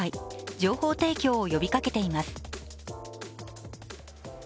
情報提供を呼びかけています。